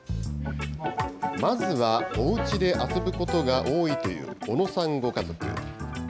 まずは、おうちで遊ぶことが多いという小野さんご家族。